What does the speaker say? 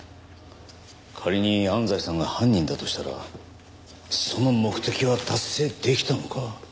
仮に安西さんが犯人だとしたらその目的は達成できたのか？